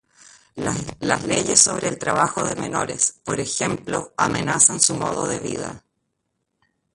Las leyes sobre el trabajo de menores, por ejemplo, amenazan su modo de vida.